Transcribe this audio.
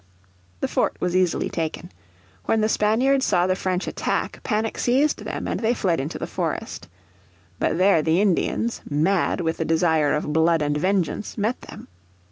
The fort was easily taken. When the Spaniards saw the French attack, panic seized them and they fled into the forest. But there the Indians, mad with the desire of blood and vengeance, met them.